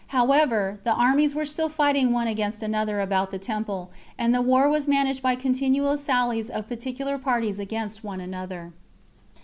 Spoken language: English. However, the armies were still fighting one against another about the temple, and the war was managed by continual sallies of particular parties against one another.